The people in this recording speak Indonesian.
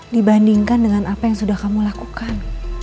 dibandingkan dengan apa yang sudah kamu lakukan